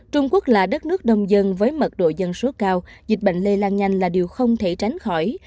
trung quốc là đất nước đông dân với mật độ dân số cao dịch bệnh lây lan nhanh là điều không thể tránh khỏi